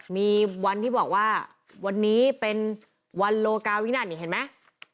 มีวันที่บอกว่าวันนี้เป็นวันโลกาวินันนี่เห็นไหม